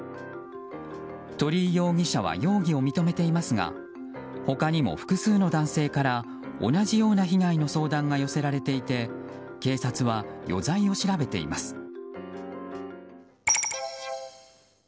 鳥居容疑者は容疑を認めていますが他にも複数の男性から同じような被害の相談が寄せられていて警察は、余罪を調べています。